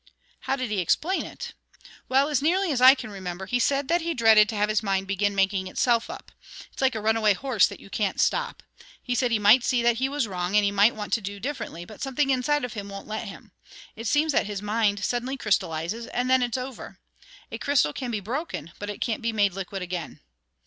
"How did he explain it?" "Well, as nearly as I can remember, he said that he dreaded to have his mind begin making itself up. It's like a runaway horse that you can't stop. He said he might see that he was wrong and he might want to do differently, but something inside of him wouldn't let him. It seems that his mind suddenly crystallises, and then it's over. A crystal can be broken, but it can't be made liquid again."